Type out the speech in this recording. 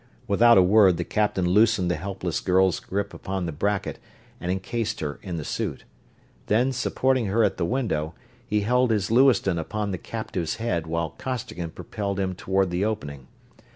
Without a word the captain loosened the helpless girl's grip upon the bracket and encased her in the suit. Then, supporting her at the window, he held his Lewiston upon the captive's head while Costigan propelled him toward the opening.